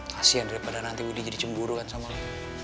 kasian daripada nanti udi jadi cemburu kan sama lo